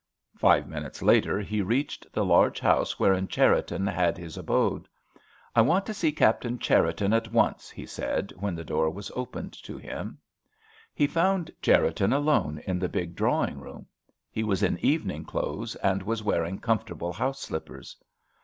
Five minutes later he reached the large house wherein Cherriton had his abode. "I want to see Captain Cherriton at once," he said, when the door was opened to him. He found Cherriton alone in the big drawing room. He was in evening clothes, and was wearing comfortable house slippers.